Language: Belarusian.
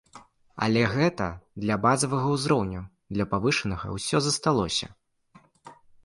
Але гэта для базавага ўзроўню, для павышанага ўсё засталося.